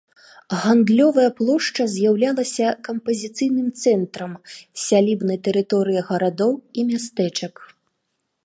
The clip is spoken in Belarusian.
Гандлёвая плошча з'яўлялася кампазіцыйным цэнтрам сялібнай тэрыторыі гарадоў і мястэчак.